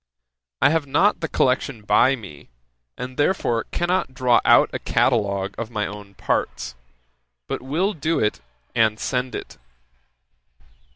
I have not the collection by me, and therefore cannot draw out a catalogue of my own parts, but will do it, and send it.